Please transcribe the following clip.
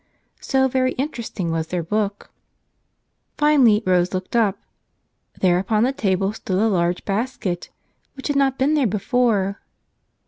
So very interesting was their book. Finally Rose looked up. There, upon the table stood a large basket which had not been there before.